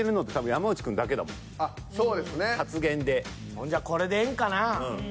ほんじゃこれでええんかなぁ。